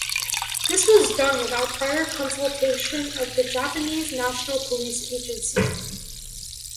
This was done without prior consultation of the Japanese National Police Agency.